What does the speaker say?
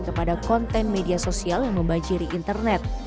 kepada konten media sosial yang membajiri internet